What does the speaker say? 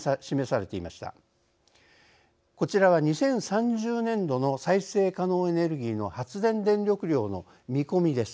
こちらは２０３０年度の再生可能エネルギーの発電電力量の見込みです。